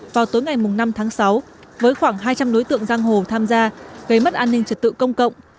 vào tối ngày năm tháng sáu với khoảng hai trăm linh đối tượng giang hồ tham gia gây mất an ninh trật tự công cộng